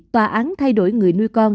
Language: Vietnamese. tòa án thay đổi người nuôi con